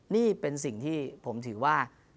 นี่เป็นสิ่งที่ผมถือว่า